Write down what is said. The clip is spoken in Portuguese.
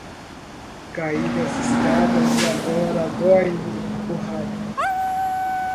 Caí das escadas e agora dói-me o rabo.